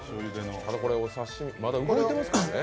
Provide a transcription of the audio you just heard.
これを、まだ動いていますからね。